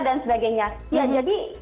dan sebagainya ya jadi